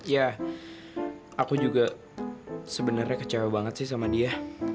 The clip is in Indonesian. ya aku juga sebenarnya kecewa banget sih sama dia